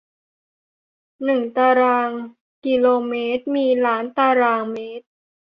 หนึ่งตารางกิโลเมตร มีล้านตารางเมตร